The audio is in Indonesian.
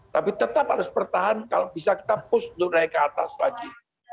tapi tetap harus bertahan kalau bisa kita push untuk naik ke atas lagi